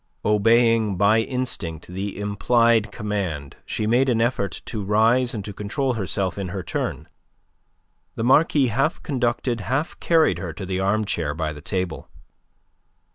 Obeying, by instinct, the implied command, she made an effort to rise and to control herself in her turn. The Marquis half conducted, half carried her to the armchair by the table.